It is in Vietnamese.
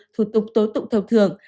thuộc tục tố tụng thầu thường